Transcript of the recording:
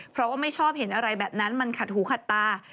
เพราะว่าไม่ชอบเห็นอะไรแบบนั้นมันขัดหูขัดตา